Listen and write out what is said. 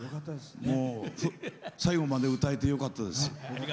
最後まで歌えてよかったです。